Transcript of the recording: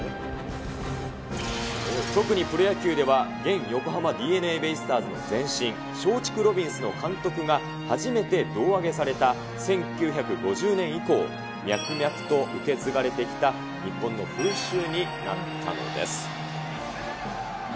特にプロ野球では、現横浜ＤｅＮＡベイスターズの前身、松竹ロビンスの監督が初めて胴上げされた１９５０年以降、脈々と受け継がれてきた日本の風習になったのです。